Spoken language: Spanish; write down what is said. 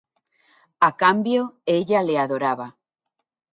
A cambio, ella le adoraba.